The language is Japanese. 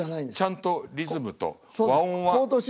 ちゃんとリズムと和音は。